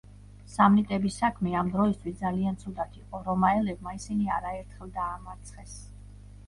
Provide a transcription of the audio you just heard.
სამნიტების საქმე ამ დროისთვის ძალიან ცუდად იყო, რომაელებმა ისინი არაერთხელ დაამარცხეს.